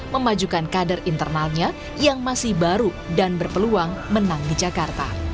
memajukan kader internalnya yang masih baru dan berpeluang menang di jakarta